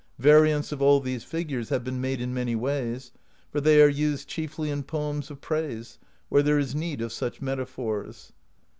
Variants of all these figures have been made in many ways, for they are used chiefly in poems of praise, where there is need of such metaphors.